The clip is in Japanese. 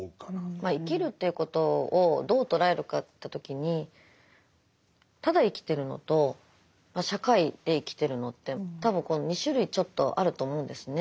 まあ生きるということをどう捉えるかといった時にただ生きてるのと社会で生きてるのって多分この２種類ちょっとあると思うんですね。